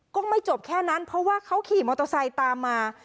ก็ไม่จบแค่นั้นเพราะว่าเขาขี่มอเตอร์ไซค์ตามมา